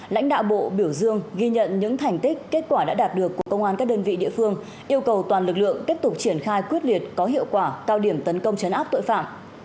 lãnh đạo bộ biểu dương ghi nhận những thành tích kết quả đã đạt được của công an các đơn vị địa phương yêu cầu toàn lực lượng tiếp tục triển khai quyết liệt có hiệu quả cao điểm tấn công chấn áp tội phạm